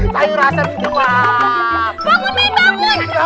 sayur asam buah